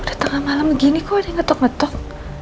udah tengah malam begini kok ada yang ngetok ngetok